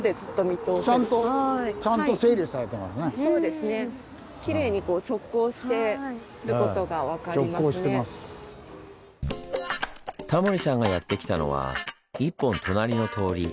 タモリさんがやって来たのは１本隣の通り。